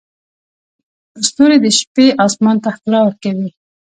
ستوري د شپې اسمان ته ښکلا ورکوي.